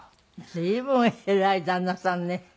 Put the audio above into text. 随分偉い旦那さんね。